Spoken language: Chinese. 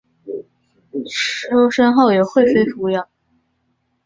出生后由惠妃抚养。